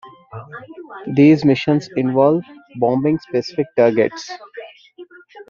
These missions involve bombing specific targets.